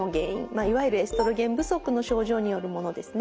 いわゆるエストロゲン不足の症状によるものですね。